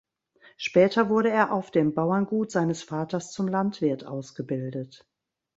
Später wurde er auf dem Bauerngut seines Vaters zum Landwirt ausgebildet.